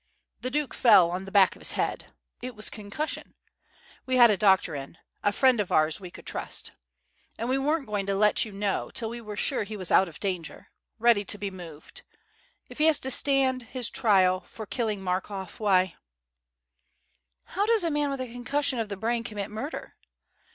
The Duke fell on the back of his head. It was concussion. We had a doctor in a friend of ours we could trust. And we weren't going to let you know till we were sure he was out of danger ready to be moved. If he has to stand his trial for killing Markoff, why " "How does a man with concussion of the brain commit murder?"